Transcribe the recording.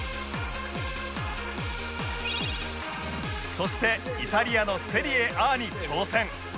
そしてイタリアのセリエ Ａ に挑戦